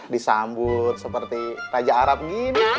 disambut seperti raja arab gini